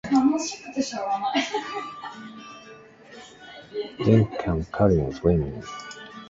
Then came Carry On Screaming!